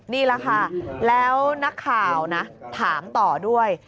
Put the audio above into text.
นี่แหละค่ะแล้วนักข่าวนะถามต่อด้วย